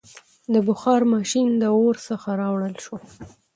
• د بخار ماشین د اور څخه راوړل شو.